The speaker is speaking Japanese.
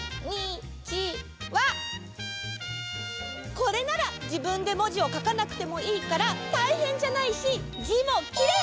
これならじぶんでもじをかかなくてもいいからたいへんじゃないしじもきれい！